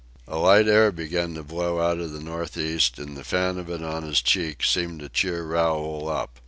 A light air began to blow out of the northeast, and the fan of it on his cheek seemed to cheer Raoul up.